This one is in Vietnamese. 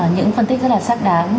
những phân tích rất là xác đáng